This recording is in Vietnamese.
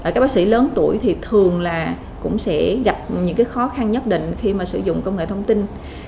các bác sĩ lớn tuổi thì thường là cũng sẽ gặp những khó khăn nhất định khi mà sử dụng công nghệ thông tin